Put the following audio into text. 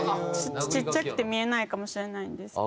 ちっちゃくて見えないかもしれないんですけど。